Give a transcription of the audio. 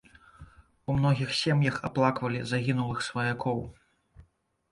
У многіх сем'ях аплаквалі загінулых сваякоў.